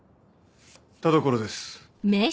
田所です。